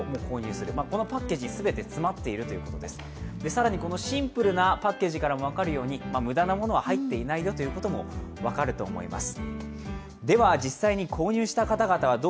更にシンプルなパッケージからも分かるように無駄なものは入っていないよということも分かると思います。